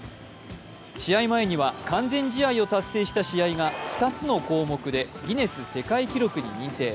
試合前には完全試合を達成した試合が２つの項目でギネス世界記録に認定。